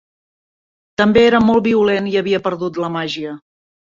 També era molt violent i havia perdut la màgia.